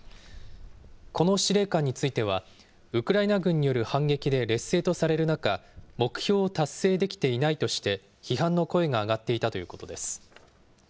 この司令官については、ウクライナ軍による反撃で劣勢とされる中、目標を達成できていないとして、批判の声が上がっていたということです。